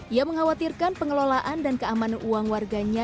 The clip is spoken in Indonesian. ia mengkhawatirkan pengelolaan dan keamanan uang warganya